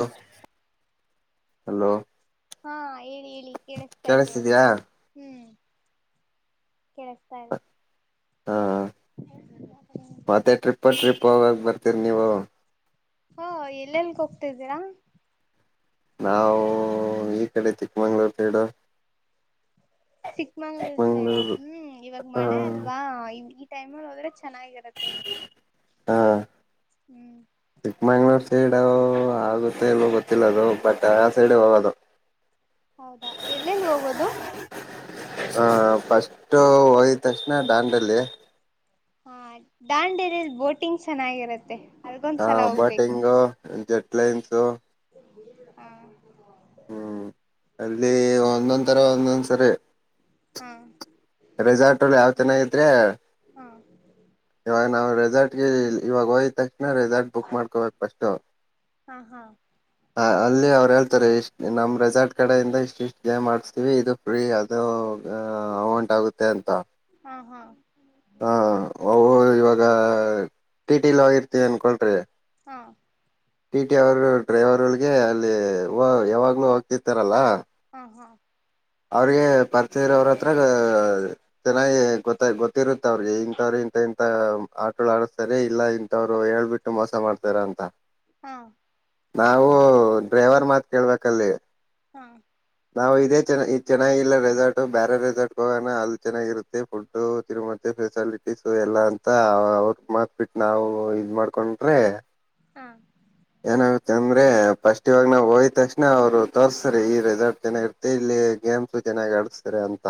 ಹೋ ಹಲೋ ಹಾ ಹೇಳಿ ಹೇಳಿ ಕೇಳಿಸ್ತಾ ಇದೆ ಇವಾಗಾ. ಕೇಳಿಸ್ತಿದ್ಯಾ ಹು ಕೇಳಸ್ತಾ ಇದೆ. ಹಾ ಹೇಳ್ಕೋರಿ. ಮತ್ತೆ ಟ್ರಿಪ್ಪ ಟ್ರಿಪ್ ಹೋಗಕ್ಕೆ ಬರ್ತೀರಿ ನೀವು. ಹು ಎಲ್ಲೆಲ್ಗೆ ಹೋಗ್ತಿದ್ದೀರಾ. ನಾವು ಈ ಕಡೆ ಚಿಕ್ಕಮಂಗ್ಳೂರ್ ಸೈಡು. ಚಿಕ್ಮಂಗ್ಳೂರ್ ಸೈಡ ಚಿಕ್ಕಮಂಗ್ಳೂರು ಹು ಇವಾಗ ಮಳೆ ಹ ಅಲ್ವಾ ಈ ಟೈಮಲ್ಲಿ ಹೋದ್ರೆ ಚೆನ್ನಾಗಿರ. ಮತ್ತೆ. ಹಾ ಹು ಚಿಕ್ಕಮಂಗ್ಳೂರ್ ಸೈಡ್ ಆಗುತ್ತೆ ಇಲ್ವೋ ಗೊತ್ತಿಲ್ಲದು ಬಟ್ ಆ ಸೈಡ್ ಹೋಗೋದು. ಹೌದಾ ಎಲ್ಲಿಂದ ಹೋಗೋದು. ಅ ಫಸ್ಟು ಹೋಗಿತಕ್ಷಣ ಡಾಂಡಲ್ಲಿ. ಹಾ ಡಾಂಡೇಲ್ ಬೋಟಿಂಗ್ ಚೆನ್ನಾಗಿರುತ್ತೆ. ಹ ಬೋಟಿಂಗು ಜೆಟ್ ಲೈನ್ಸು. ಹು ಹು ಅಲ್ಲಿ ಒಂದೊಂದ್ ತರ ಒಂದೊಂದ್ಸರಿ. ಹಾ ರೆಸಾರ್ಟ್ ಅಲ್ಲಿ ಯಾವ್ ತೆನ್ನಾಗಿದ್ರೆ. ಹಾ. ಇವಾಗ ನಾವು ರೆಸಾರ್ಟ್ಗೆ ಇವಾಗ ಹೋಗಿದ್ ತಕ್ಷಣ ರೆಸಾರ್ಟ್ ಬುಕ್ ಮಾಡ್ಕೋಬೇಕು ಫಸ್ಟ್. ಹಾ ಹಾ. [inaudible] ಅ ಅಲ್ಲಿ ಅವರು ಹೇಳ್ತಾರೆ ಇಷ್ಟ ನಮ್ಮ್ ರೆಸಾರ್ಟ್ ಕಡೆಯಿಂದ ಇಷ್ಟ ಇಷ್ಟು ಗೆಮ್ ಆಡಸ್ತೀವಿ ಇದು ಫ್ರೀ ಅದು ಹ ಅಮೌಂಟ್ ಆಗುತ್ತೆ ಅಂತ ಹಾ ಹಾ ಹ ಅವ್ರು ಇವಾಗ ಟಿ ಟಿ ಹೋಗಿರ್ತೇವಿ ಅನ್ಕೊಳ್ರಿ. ಹಾ. ಟಿ ಟಿ ಅವರು ಡ್ರೈವರ್ಗಳಿಗೆ ಅಲ್ಲಿ ಯಾವಾಗಲೂ ಹೋಗ್ತಿರ್ತಾರಲ್ಲ. ಹಾ ಹಾ. ಅವ್ರಿಗೆ ಪರ್ಚೆ ಇರೋವ್ರ ಹತ್ರ ಆಆಆ ಚೆನ್ನಾಗಿ ಗೊತ್ತ ಗೊತ್ತಿರುತ್ತ ಅವ್ರಿಗೆ ಇಂಥವ್ರ ಇಂತ ಇಂಥ ಆಟಗಳ್ ಆಡಸ್ತಾರೆ ಇಲ್ಲ ಇಂಥವ್ರು ಹೇಳ್ಬಿಟ್ಟು ಟ್ಟು ಮೋಸ ಮಾಡ್ತಾರ ಅಂತ. ಹಾ ನಾವು ಹೌದೌದು ಡ್ರೈವರ್ ಮಾತ್ ಕೇಳ್ಬೇಕಲ್ಲಿ. ಹಾ ನಾವು ಇದೇ ಇ ಚೆನ್ನಾಗಿಲ್ಲ ರೆಸಾರ್ಟ್ ಬೇಾರೆ ರೆಸಾರ್ಟ್ ಹೋಗಣ ಅದು ಚನ್ನಾಗಿರುತ್ತೆ ಫುಡ್ ತಿರುಗತ್ತೆ ಸ್ಪೆಷಲ್ ಟಿಸು ಎಲ್ಲಾ ಅಂತ ಅವ್ರ ಮತ್ಬಿಟ್ಟು ನಾವು ಇದ್ ಮಾಡ್ಕೊಂಡ್ರೆ ಹಾ ಏನಾಗುತ್ತೆ ಅಂದ್ರೆ ಫಸ್ಟ್ ಇವಾಗ ನಾವು ಹೋಯ್ ತಕ್ಷಣ ಅವರು ತೋರಿಸಸ್ರೀ ಈ ರೆಸಾರ್ಟ್ ಚೆನ್ನಾಗಿರ್ತ್ತ ತ್ತೆ ಇಲ್ಲಿ ಗೇಮ್ಸು ಚೆನ್ನಾಗಿ ಆಡಿಸತಾರೆ ಅಂತ.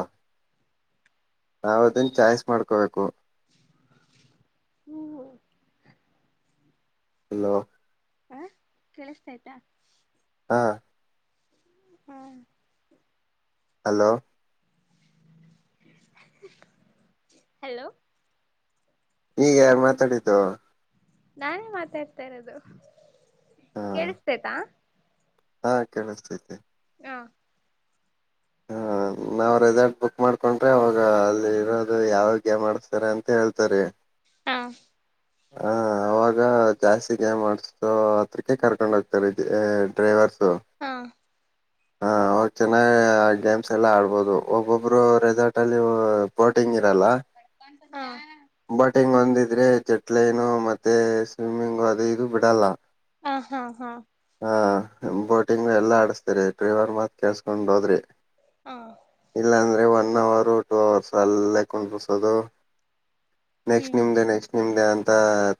ನಾವು ಅದನ್ ಚಾಯ್ಸ್ ಮಾಡ್ಕೋಬೇಕು. ಹುವು ಹಲೋ ಹ ಕೇಳಿಸೈತ. ಹಾ ಹ್ಮ್ ಹಲೋ. ಹಲೋ. ಇಗ್ಯಾರ್ ಮಾತಾಡಿದ್ದು. ನಾನೇ ಮಾತಾಡ್ತಾ ಇರೋದು ಹಾ ಕೇಳಿಸತೇತಾ. ಹಾ ಕೇಳಿಸ್ತೈತಿ. ಹ ಹ ನಾವ್ ರೆಸಾರ್ಟ್ ಬುಕ್ ಮಾಡ್ಕೊಂಡ್ರೆ ಅವಾಗ ಅಲ್ಲಿ ಇರೋದು ಯಾವ ಗೇಮ್ ಆಡಿಸ್ತಾರೆ ಅಂತ ಹೇಳ್ತಾರೆ. ಹಾ ಹ್ಮ ಅವಾಗ ಜಾಸ್ತಿಗೆ ಗೇಮ್ ಆಡಿಸೋತ್ ಹತ್ರಕ್ಕೆ ಕರ್ಕೊಂಡ ಹೋಗ್ತಾರೆ ಡ್ರೈವರ್ಸು. ಹಾ ಹ ಅವಾಗ ಚೆನ್ನಾಗ್ ಗೇಮ್ಸ್ ಎಲ್ಲ ಆಡ್ಬೋದು ಒಬ್ಬೊಬ್ರು ರೆಸಾರ್ಟ್ ಅಲ್ಲಿ ಬೋಟಿಂಗ್ ಇರಲ್ಲ. ಹ ಬೋಟಿಂಗ್ ಒಂದಿದ್ರೆ ಚಟ್ಲೈನು ಮತ್ತೆ ಸ್ವಿಮ್ಮಿಂಗು ಅದು ಇದು ಬಿಡಲ್ಲ. ಹ ಹಾ ಹಾ. ಹಾ ಬೋಟಿಂಗ್ ಎಲ್ಲ ಆಡುಸ್ತಾರೆ ಡ್ರೈವರ್ ಮಾತ್ ಕಳ್ಸ್ಕೊಂಡು ಹೋದ್ರೆ. ಹಾ ಇಲ್ಲಾಂದ್ರೆ ಒನ್ ಅವರು ಟೂ ಅವರ್ಸ್ ಅಲ್ಲೇ ಕುಂಡುರ್ಸೋದು. ನೆಕ್ಸ್ಟ್ ಹ್ಮ್ ನಿಮ್ದೇ ನೆಕ್ಸ್ಟ್ ನಿಮ್ದೇ ಅಂತ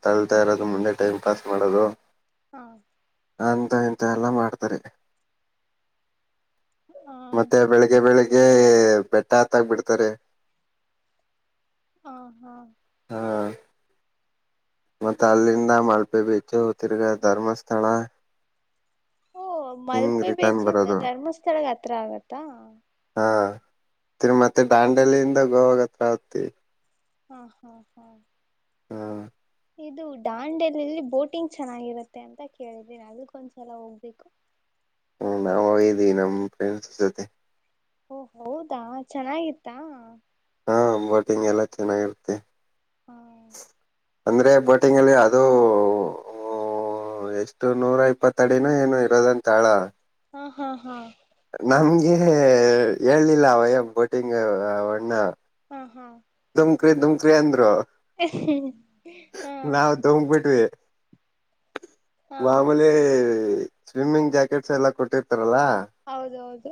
ತಳ್ತಾ ಇರೋದು ಮುಂದೆ ಟೈಮ್ ಪಾಸ್ ಮಾಡೋದು. ಹಾ ಅಂತ ಇಂಥ ಎಲ್ಲ ಮಾಡ್ತಾರೆ. ಮತ್ತೆ ಬೆಳಿಗ್ಗೆ ಬೆಳಿಗ್ಗೆ ಬೆಟ್ಟ ಹತ್ತಕ್ ಬಿಡ್ತಾರೆ. ಹಾ ಹಾ ಹಾ ಮತ್ತೆ ಅಲ್ಲಿಂದ ಮಳಪೆ ಬೀಚು ತಿರ್ಗಾ ಧರ್ಮಸ್ಥಳ. ಓ ಹಿಂಗ್ ಮಲ್ಪೆ ರಿಟರ್ನ್ ಬೀಚಿಂದ ಬರೋದು ಧರ್ಮಸ್ಥಳಗ್ ಹತ್ರ ಆಗತ್ತಾ. ಹಾ ತಿರ್ಗ ಮತ್ತೆ ದಾಂಡಲಿಂದ ಗೋವಾಗ ಹತ್ರ ಆಗುತ್ತೆ. ಹಾ ಹಾ ಹಾ ಹಾ ಇದು ಡಾಂಡೆಲಿಲಿ ಬೋಟಿಂಗ್ ಚೆನ್ನಾಗಿರುತ್ತೆ ಅಂತ ಕೇಳಿದಿನ ಅದಕ್ಕೊಂದ್ಸಲ ಹೋಗ್ಬೇಕು. ಹ್ಞ ನಾವೋಗಿದೀವಿ ನಮ್ ಫ್ರೆಂಡ್ಸ್ ಜೊತೆ. ಓ ಹೌದಾ ಚೆನ್ನಾಗಿತ್ತಾ. ಹಾ ಬೋಟಿಂಗ್ ಎಲ್ಲ ಚೆನ್ನಾಗಿರುತ್ತೆ. ಹ್ಮ ಅಂದ್ರೆ ಬೋಟಿಂಗ್ ಅಲ್ಲಿ ಅದು. ಓ ಎಷ್ಟು ನೂರ ಇಪ್ಪತ್ತ ಅಡಿನೊ ಏನು ಇರೋದಂತಾಳ. ಹಾ ಹಾ ಹಾ ನಮ್ಗೆ ಹೇಳ್ನಿಲ್ಲ ಅವಯ್ಯ ಬೋಟಿಂಗ್ ಅವಣ್ಣ. ಹಾ ಹಾ ದುಮ್ಕ್ರಿ ದುಮ್ಕ್ರಿ ಅಂದ್ರು. ಹ್ಮ್ ಹಾ ಮ್ ಬಿಟ್ವಿ ಹಾ ಮಾಮೂಲಿಯಾಗಿ ಸ್ವಿಮ್ಮಿಂಗ್ ಜಾಕೆಟ್ಸ್ ಎಲ್ಲ ಕೊಟ್ಟಿರ್ತಾರಲ್ಲ ಹೌದು ಹೌದು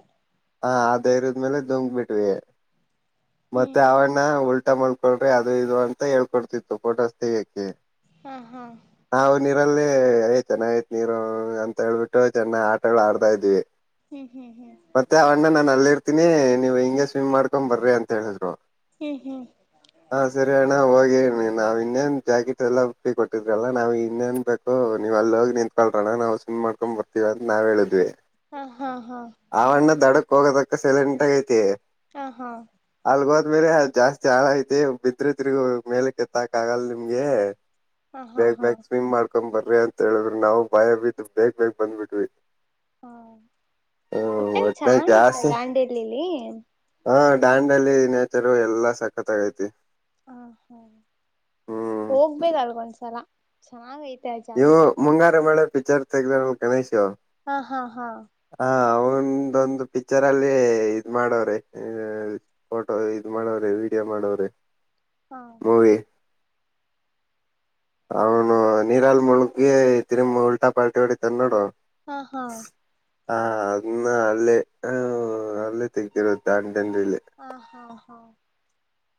ಹ ಧೈರ್ಯದ್ಮೇಲ್ ಡುಮ್ಕಿಬಿಟ್ವಿ ಹ್ಮ್ ಮತ್ತೆ ಅವಣ್ ನ ಉಲ್ಟಾ ಮಲ್ಕೊಳ್ರಿ ಅದು ಇದು ಅಂತ ಹೇಳ್ಕೊಡ್ತಿತ್ತು ಫೋಟೋಸ್ ತೆಗಿಯಕ್ಕೆ. ಹ್ಮ್ ಹಾ ನಾವು ನೀರಲ್ಲಿ ಎಲ್ಲ ಚೆನ್ನಾಗೈತ್ ನೀರು ಅಂತ ಹೇಳ್ಬಿಟ್ಟು ಚೆನ್ನಾಗ್ ಆಟಗಳು ಆಡ್ತಾ ಇದ್ವಿ. ಹ್ಮ್ ಹ್ಮ್ ಹ್ಮ್ ಮತ್ತೆ ಆ ಅಣ್ಣ ನಾನ್ ಅಲ್ ಇರ್ತೀನಿ ನೀವು ಹಿಂಗೆ ಸ್ವಿಮ್ ಮಾಡ್ಕೊಂಡ್ ಬರ್ರಿ ಅಂತ ಹೇಳಿದ್ರು. ಹ್ಮ್ ಹ್ಮ್ ಹಾ ಸರಿ ಅಣ್ಣ ಹೋಗಿ ನಾವು ಇನ್ನೇನು ಜಾಕೆಟ್ ಎಲ್ಲ ಬ ಕೊಟ್ಟಿದ್ರಲ್ಲ ನಾವು ಇನ್ನೇನು ಬ ನೀವು ಅಲ್ಲೋಗಿ ನಿಂತ್ಕಳ್ರಣ ನಾವು ಸ್ವೀಮ್ ಮಾಡ್ಕೊಂಡ್ ಬರ್ತೀವಿ ಅಂತ ನಾವ್ ಹೇಳಿದ್ವಿ. ಹಾ ಹಾ ಹಾ ಆವಣ್ಣ ದಡಕ್ ಹೋಗೋತಂಕ ಸೆಲೆಂಟಾಗೈತಿ ಹಾ ಹಾ ಅಲ್ಗೋದ್ ಮೇಲೆ ಅ ಜಾಸ್ತಿ ಆಳ ಐತೆ ಬಿದ್ರಿ ತಿರ್ಗ ಮೇಲೆಕ್ ಎತ್ತಾಕ್ ಆಗಲ್ಲ ನಿಮ್ಗೆ ಹ ಹಾ ಬೇಗ್ ಹಾ ಬೇಗ್ ಸ್ವಿಮ್ ಮಾಡ್ಕೊಂಬರ್ರಿ ಅಂತ ಹೇಳಿದ್ರು ನಾವು ಬಯ ಬಿದ್ ಬೇಗ್ ಬೇಗ್ ಬಂದ್ಬಿಟ್ವಿ. ಹಾ ಹ್ಮ್ ಒಟ್ನಲ್ ಒಟ್ನಾಗ ಚನ್ನಾಗಿತ್ತ ಜಾಸ್ತಿ ದಾಂಡೇಲಿ. ಹಾ ಡಾಂಡೆಲಿ ನೇಚರು ಎಲ್ಲಾ ಸಖತ್ತಾಗೈತಿ. ಹ ಹಾ ಹ್ಮ್ ಹೋಗ್ಬೇದ್ ಅಲ್ಗೊಂದ್ಸಲ ಚೆನ್ನಾಗೈತೆ ಆ ಜಾಗ. ಇವು ಮುಂಗಾರು ಮಳೆ ಪಿಕ್ಚರ್ ತೆಗೆದಾಗ ಗಣೇಶ್ ಹಾ ಹಾ ಹಾ ಹ ಅವ್ರೋಂದೊಂದ್ ಪಿಕ್ಚರ್ ಅಲ್ಲಿ ಇದ್ ಮಾಡೋರೆ ಎ ಫೋಟೋ ಇದ್ ಮಾಡೋರೆ ವೀಡಿಯೋ ಮಾಡೋರೆ ಹಾ ಮೂವಿ ಅವನು ನೀರಲ್ ಮುಳಗ್ಗಿ ತಿರಿಂ ಉಲ್ಟಾ ಪಲ್ಟಿ ಹೊಡಿತಾನ್ ನೋಡು ಹಾ ಹಾ ಹಾ ಅದನ್ನ ಅಲ್ಲೇ ಹ ಅಲ್ಲೇ ತೆಗ್ದಿರುದು ದಾಂಡೇಲಿಲಿ ಆ ಹಾ ಹಾ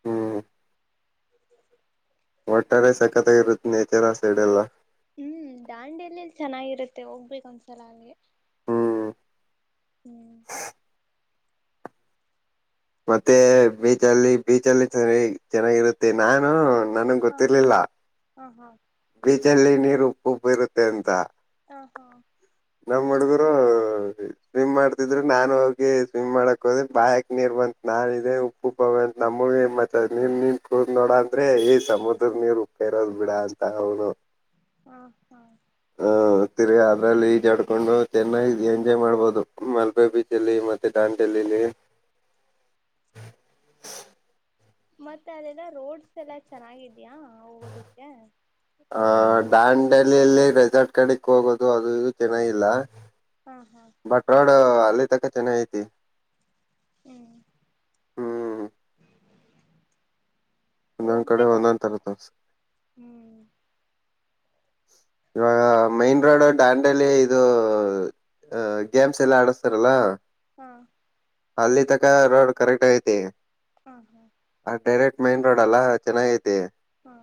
ಹ್ಮ್ ಒಟ್ಟಾರೆ ಸಕತಾಗಿರುತ್ತೆ ನೇಚರ್ ಆ ಸೈಡ್ ಎಲ್ಲ ಹ್ಮ್ ದಾಂಡಿಲಿಲ್ಲಿ ಚೆನ್ನಾಗಿರುತ್ತೆ ಹೋಗ್ಬೇಕ್ ಒಂದ್ಸಲ ಅಲ್ಗೆ ಹ್ಮ್ ಹ್ಮ್ ಮತ್ತೆ ಬೀಚಲ್ಲಿ ಬೀಚಲ್ಲಿ ಚ ಚೆನ್ನಾಗಿರುತ್ತೆ ನಾನು ನನ್ಗ್ ಗೊತ್ತಿರ್ಲಿಲ್ಲ. ಆ ಹಾ ಬೀಚಲ್ಲಿ ನೀರು ಉಪ್ಪು ಉಪ್ಪು ಇರುತ್ತೆ ಅಂತ ಹಾ ಹಾ ನಮ್ಮ ಹುಡುಗುರು ಆ ಇದಿ ಸ್ವಿಮ್ ಮಾಡ್ತಿದ್ರೆ ನಾನು ಹೋಗಿ ಸ್ವಿಮ್ ಮಾಡಕ್ ಹೊದೆ ಬಾಯಕ್ ನೀರ್ ಬಂತ್ ನಾ ಇದೆ ಉ ಉಬ ಅಂತ ನಮ್ಮವೇನ್ ಮತ್ತ ನೀನ್ ನೀನ್ ಕುಡುದ್ ನೋಡ ಅಂದ್ರೆ ಏಯ್ ಸಮುದ್ರದ್ ನೀರ್ ಉಪ್ಪೆ ಇರದ್ ಬಿಡ ಅನ್ ಅ ಹೌದು ಹ ಹಾ [unintelligible] ಹೋಗ್ತರಿ ಅದ್ರಲ್ಲಿ ಈಜಡ್ಕೊಂಡು ಚೆನ್ನಾಗ ಎಂಜಾಯ್ ಮಾಡ್ಬಹುದು ಮಲ್ಬೆ ಬೀಚ್ ಅಲ್ಲಿ ಮತ್ತೆ ದಾಂಡೇಲಿ ಲೀ. ಮತ್ತೆ ಅದೆಲ್ಲ ರೋಡ್ಸ್ ಎಲ್ಲಾ ಚೆನ್ನಾಗಿದ್ಯಾಾ [unintelligible] ದಾಂಡಲಿಯಲ್ಲಿ ರೆಸಾರ್ಟ್ ಕಡೆಕ್ ಹೋಗೋದು ಅದು ಇದು ಚೆನ್ನಾಗಿಲ್ಲ. ಹಾ ಹಾ ಬಟ್ ರೋಡ್ ಅಲ್ಲಿ ತಕ ಚೆನ್ನಾಗ ಐತಿ ಹ್ಮ ಹ್ಮ್ ಒಂದೊಂದ್ ಕಡೆ ಹೋಗ್ಬೇಕು ಒಂದೊಂದ್ ತರ ಒಂದಸಲ್ ತೋರ್ಸ ಇವಾಗ ಮೈನ್ ರೋಡ್ ಡಾಂಡಲಿ ಇದು. ಅ ಗೇಮ್ಸ್ ಎಲ್ಲ ಆಡಸ್ತಾರಲ್ಲ ಹಾ ಅಲ್ಲಿ ತಕ ರೋಡ್ ಕರೆಕ್ಟ್ ಐತಿ ಹಾ ಹಾ ಆ ಡೈರೆಕ್ಟ್ ಮೈನ್ ರೋಡ್ ಅಲ್ಲ ಚೆನ್ನಾಗ ಐತಿ ಹಾ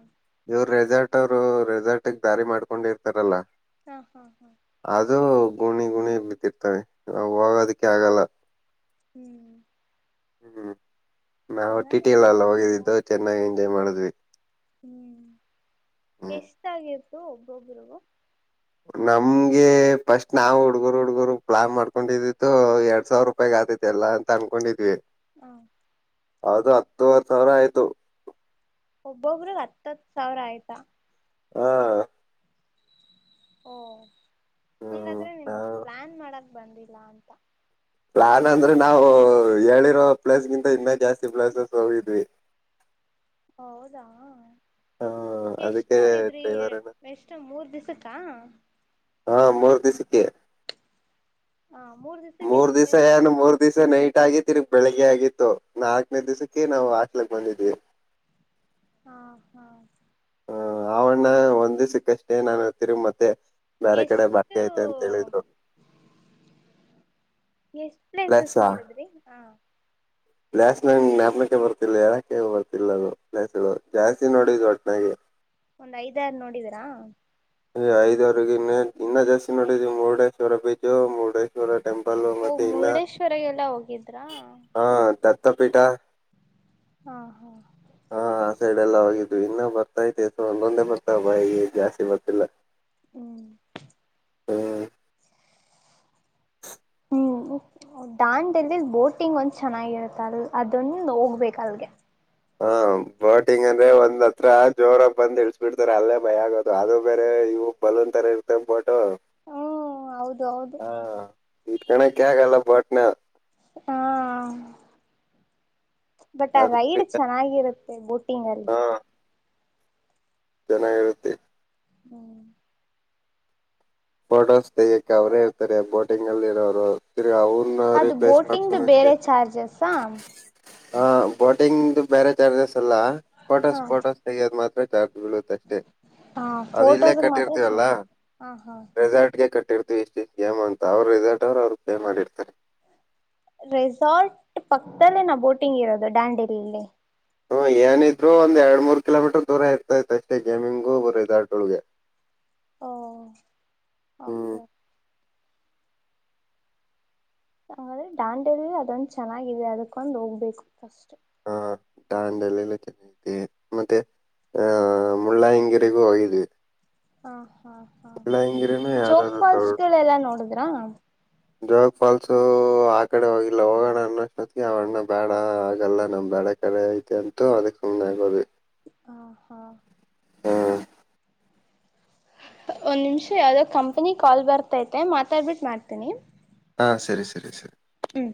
ಇವರು ರೆಸಾರ್ಟ್ ಅವರು ರೆಸಾರ್ಟ್ ಟ್ಟಗ್ ದಾರಿ ಮಾಡ್ಕೊಂಡ ಇರ್ತಾರಲ್ಲಾ ಹಾ ಹಾ ಹಾ ಅದುೂ ಗುಣಿ ಗುಣಿ ಬಿದ್ದಿರ್ತವೆ ಇವಾಗ ಹೋಗೋದಕ್ಕೆ ಆಗಲ್ಲ ಹ್ಮ್ ಹ್ಮ್ ನಾವು ಟಿಟಿ ಎಲ್ಲ ಚೆನ್ನಾಗಿದೆ ಎಲ್ಲ ಅಲ್ವಾ ಹೋಗಿದ್ ಚೆನ್ನಾಗಿ ಎಂಜಾಯ್ ಮಾಡಿದ್ವಿ ಹ್ಮ್ ಹ್ಮ್ ಎಷ್ಟಆಗಿತ್ತ ಒಬ್ಬೊಬರಿಗೂ ನಮ್ಗೆ ಫಸ್ಟ್ ನಾವ್ ಹುಡ್ಗರು ಹುಡ್ಗರು ಪ್ಲಾನ್ ಮಾಡ್ಕೊಂಡಿದಿತ್ತು ಎರಡ್ ಸಾವಿರ. ಉಪಗ ಆತೈತಿ ಎಲ್ಲ ಅಂತ ಅನ್ಕೊಂಡಿದ್ವಿ. ಹ್ಮ್ಮ್ ಅದು ಹತ್ತವತ್ತು ಸಾವಿರ ಆಯ್ತು ಒಬ್ಬೊ ಒಬ್ಬರಿಗೆ ಹತ ಹತ ಸಾವರ ಆಯತಾ ಹ್ಮ ಓ ಹ್ಮ್ ಹಂಗಾದ್ರೆ ನಿಮಗ್ ಪ್ಲಾನ್ ಮಾಡಕ್ ಬಂದಿಲ್ಲ ಅಂತ ಪ್ಲಾನ್ ಅಂದ್ರೆ ನಾವು ಹೇಳಿರೋ ಪ್ಲೇಸ್ಗಿಂತ ಇನ್ನ ಜಾಸ್ತಿ ಪ್ಲೇಸಸ್ ಹೋಗಿದ್ವಿ. ಹೌದಾ.. ಹ ಎಷ್ಟ್ ಅದಕ್ಕೆ ನೋಡಿದ್ರಿ. ಡ್ರೈವರ್ ಅಣ್ಣ ಎಷ್ಟ ಮೂರು ದಿವ್ಸಕ್ಕಾ ಹಾ ಮೂರ್ ದಿವಸಕ್ಕೆ. ಹಾ ಮೂರ್ ದಿವಸಕ್ಕೆ ಎಷ್ಟು ಪ್ಲಸ್ ನೋಡಿದರಿ ಒಂದದಿವ್ಸ ನೈಟ್ ಆಗಿ ತಿರ್ಗಿ ಬೆಳಿಗ್ಗೆ ಆಗಿತ್ತು ನಾಲ್ಕನೇ ದಿವಸಕ್ಕೆ ನಾವು ಹಾಸ್ಟೆಲಿಗೆ ಬಂದಿದೀವಿ ಹಾ ಹಾ ಹ್ಮ ಅವಣ್ಣ ಒಂದ್ ದಿವಸಕ್ಕೆ ಎಷ್ಟು ಡೇ ನಾನ್ ತಿರಗಿ ಮತ್ತೆ.. ಬೇರೆ ಕಡೆ ಬಟ್ಟೆ ಐತೆ ಅಂತ ಹೇಳಿದ್ರು ಎಷ್ಟ ಪ್ಲೇಸಸ್ ಪ್ಲೇಸಾ ನೋಡಿದ್ರಿ ಹಾ ಪ್ಲಾಸ್ಟ್ ನಂ ಜ್ಞಾಪನಕ್ಕೆ ಬರ್ತಿಲ್ಲ ಹೇಳಕ್ಕೆ ಬರ್ತಿಲ್ಲ ಅದು ಪ್ಲಾಸ್ಗಳು ಜಾಸ್ತಿ ನೋಡಿದವಿ ಒಟ್ಟನಾಗಿ. ಒಂದ್ ಐದಾರು ನೋಡಿದೀರಾ ಐದ್ವರೆಗ ಇ ಇನ್ನ ಜಾಸ್ತಿ ನೋಡಿದ ಮುರುಡೇಶ್ವರ ಬೀಚ್ ಮೂರಡೈ ಅದೆ ಟೆಂಪಲ್ ಓ ಮತ್ತೆ ಇನ್ನ ಮುರುಡೇಶ್ವರಎಲ್ಲಾ ಹೋಗಿದ್ರಾ ಹಾ ದತ್ತ ಪೀಠ ಹಾ ಹಾ ಹಾ ಆ ಸೈಡೆ ಎಲ್ಲ ಹೋಗಿದ್ ಇನ್ನ ಬರ್ತಾತಿಸ ಒಂದೊಂದೆ ಬರ್ತಾ ಬ ಈ ಜಾಸ್ತಿ ಬರ್ತಿಲ್ಲ ಹ್ಮ್ ಹ್ಮ್ [inaudible] ಹ್ಮ ದಾಂಡಲ್ಲಿ ಬೋಟಿಂಗ್ ಒಂದು ಚೆನ್ನಾಗಿರುತ್ತ ಅಲ್ ಅದನ್ನ ಹೋಗ್ಬೇಕು ಅಲ್ಗೆ ಹಾ ಶೋಟಿಂಗ್ ಅಂದ್ರೆ ಒಂದ್ ಹತ್ರ ಜೋರ ಬಂದ ಇಳಸ್ಬ ಬಿಡ್ತಾರೆ ಅಲ್ಲೇ ಭಯ ಆಗೋದು ಅದು ಬೇರೆ ಇವು ಬಲೂನ್ ತರ ಇ ತ್ತಪ [unintelligible] ಹ ಹೌದು ಹೌದು ಹಾ ಇಟ್ಕಣಕ ಯಗಲ್ಲ ಬಾಟ್ನ ಹಾ ಬಟ್ ಆ ಅದ ರೈಡ್ ಚೆನ್ನಾಗಿರುತ್ತೆ ಬೋಟಿಂಗ್ ಅಲ್ಲಿ ಹಾ ಜನಾಗಿರುದತ್ತೆ ಹ್ಮ್ ಫೋಟೋಸ್ ತೆಗ್ಯಕ್ಕೆ ಅವರೇ ಇರ್ತಾರೆ ಬೋಟಿಂಗ್ ಅಲ್ಲಿ ಇರೋರು ತಿರು ಅದು ಬೋಟಿಂಗ್ದ ಬೇರೆ ಚಾರ್ಜಸ್ ಹಾ ಬೋಟಿಂಗ್ ಬೇರೆ ಚಾರ್ಜಸ್ ಅಲ್ಲಾ ಹಾ ಫೋಟೋಸ್ ಫೋಟೋಸ್ ತೆೆಗೆಯೋದ ಮಾತ್ರ ಚಾರ್ಜ್ ಬೀಳುತ್ತಷ್ಟೇ ಹಾ ಅದು ಇಲ್ಲೇ ಫೋಟೋಸ್ಗೆ ಮಾತ್ರ ಚ ಕಟ್ಟಿರ್ತೀವಲ್ಲ ಹಾ ಹಾ ರೆಸಾರ್ಟ್ ಗೆ ಕಟ್ಟಿರ್ತೀವಿ ಇಷ್ಟು ಏಮ ಅಂತ ಅವ್ರ ರೆಿಸಾರ್ಟ್ ಅವ್ರು ಅವರು ಪೇ ಮಾಡಿರ್ತಾರೆ ರೆಸಾರ್ಟ್ ಪಕ್ತದಲ್ಲೇ ನಾವು ಬೋಟಿಂಗ್ ಇರೋದು ಡಾಂಡೇಲಿಲ್ಲಿ ಹ್ಮ ಏನಿದ್ರು ಒಂದ್ ಎರಡ್ ಮೂ ಕಿಲೋಮೀಟರ್ ದೂರ ಇರ್ತೈತೆ ಅಷ್ಟೇ ಗೇಮಿಂಗ್ ಬರೀದು ಆರ್ಟೊಳಗೆ ಓ ಹ್ಮ್ ಓಕೆ ಓಕೆ ಹಾಗಾದ್ರೆ ಡಾಂಡೆಲಿ ಅದೊಂದು ಚೆನ್ನಾಗಿದೆ ಅದಕ್ಕೊಂದು ಹೋಗ್ಬೇಕು ಫಸ್ಟ್ ಹಾ ದಾಂಡಲೆ ಎಲ್ಲ ಚೆನ್ನಾಗಿದೆ ಮತ್ತೆ ಆ ಮುಳ್ಳಾಯಂಗಿರಿಗೂ ಹೋಗಿದ್ವಿ ಹಾ ಹಾ ಹಾ ಮುಳ್ಳಾಯಂಗಿರಿನೂ ಜೋಗ ಯಾವ್ದಾದ್ರು ಪಾಲ್ಸ್ಗಳೆಲ್ಲಾ ನೋಡುದ್ರಾ ಜಾಗ್ ಫಾಲ್ಸು ಆ ಕಡೆ ಹೋಗಿಲ್ಲ ಹೋಗೋಣ ಅನ್ನೋಷ್ಟತ್ತ ಅವಣ್ಣ ಬೇಡ ಆಗಲ್ಲ ನಮ್ ಬೇಡಕ್ಕೆ ಕಡೆ ಐತೆ ಅಂತೂ ಅದ ಕಮ್ಮ ಆಗೋದು ಆ ಹಾ ಒಂದು ನಿಮಿಷ ಯಾವುದೋ ಕಂಪ್ನಿಗೆ ಕಾಲ್ ಬರ್ತೈತೆ ಮಾತಾಡ್ಬಿಟ್ಟು ಮಾಡ್ತೀನಿ ಹಾಂ ಸರಿ ಸರಿ ಸರಿ ಹ್ಮ್